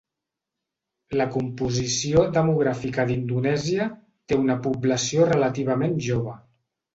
La composició demogràfica d'Indonèsia té una població relativament jove.